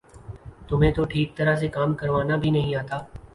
تمہیں تو ٹھیک طرح سے کام کروانا بھی نہیں آتا